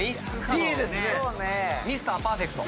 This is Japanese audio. ミスターパーフェクト。